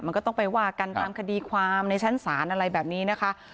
มันก็ต้องไปว่ากันตามคดีความในชั้นศาลอะไรแบบนี้นะคะ